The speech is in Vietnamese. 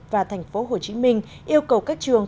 và tp hcm yêu cầu các trường